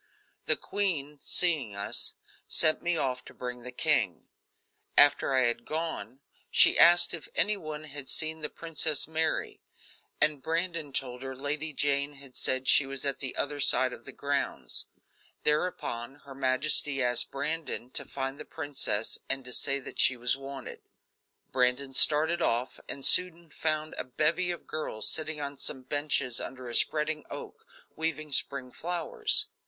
The queen, seeing us, sent me off to bring the king. After I had gone, she asked if any one had seen the Princess Mary, and Brandon told her Lady Jane had said she was at the other side of the grounds. Thereupon her majesty asked Brandon to find the princess and to say that she was wanted. Brandon started off and soon found a bevy of girls sitting on some benches under a spreading oak, weaving spring flowers.